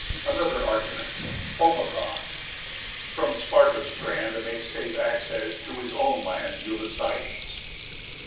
ANOTHER ARGUMENT O. From Sparta's strand Makes safe access To his own land Ulyssides.